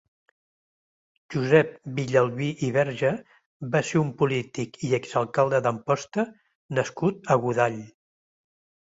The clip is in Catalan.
Josep Villalbí i Verge va ser un polític i exalcalde d'Amposta nascut a Godall.